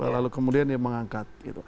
lalu kemudian dia mengangkat